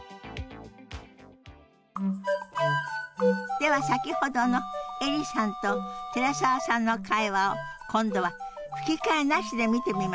では先ほどのエリさんと寺澤さんの会話を今度は吹き替えなしで見てみましょう。